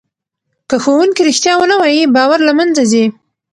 که ښوونکی رښتیا ونه وایي باور له منځه ځي.